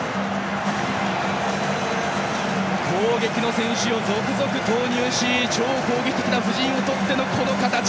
攻撃の選手を続々投入し超攻撃的な布陣を取ってのこの形。